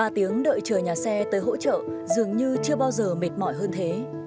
ba tiếng đợi chờ nhà xe tới hỗ trợ dường như chưa bao giờ mệt mỏi hơn thế